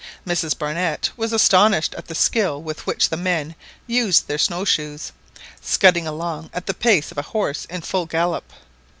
Mrs Barnett was astonished at the skill with which the men used their snow shoes, scudding along at the pace of a horse in full gallop.